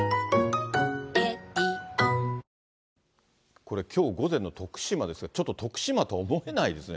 これ、きょう午前の徳島ですが、ちょっと徳島とは思えないですね。